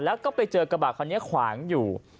แล้วก็ไปเจอกระบาดคันนี้ขวางอยู่